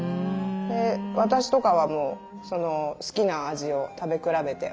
で私とかはもう好きな味を食べ比べて。